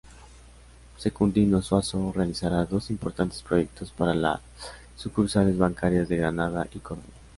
Secundino Zuazo realizará dos importantes proyectos para las sucursales bancarias de Granada y Córdoba.